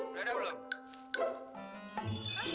udah ada belum